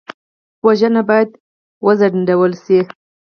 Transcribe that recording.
وژنه باید وځنډول شي